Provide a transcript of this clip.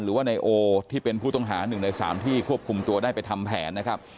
หรือว่านายโอที่เป็นผู้ต้องหา๑ใน๓ที่ควบคุมตัวได้ไปทำแผนนะครับ